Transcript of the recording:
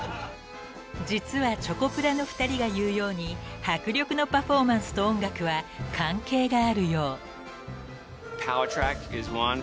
［実はチョコプラの２人が言うように迫力のパフォーマンスと音楽は関係があるよう］